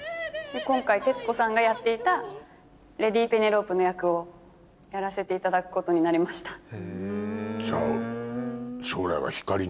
今回徹子さんがやっていたレディ・ペネロープの役をやらせていただくことになりました。